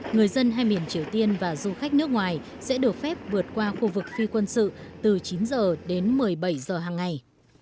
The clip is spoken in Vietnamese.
người dân hai miền triều tiên và du khách nước ngoài sẽ được phép vượt qua khu vực phi quân sự từ chín h đến một mươi bảy giờ hằng ngày